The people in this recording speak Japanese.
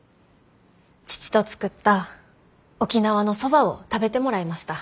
父と作った沖縄のそばを食べてもらいました。